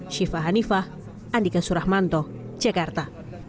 syifa hanifah andika surahmanto jakarta